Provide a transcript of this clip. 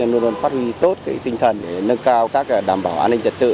luôn luôn phát huy tốt tinh thần để nâng cao đảm bảo an ninh trật tự